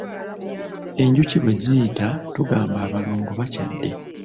Enjuki bwe ziyita tugamba abalongo bakyadde.